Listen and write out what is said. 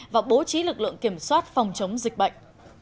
và bố trí lực lượng kiểm soát phòng chống dịch bệnh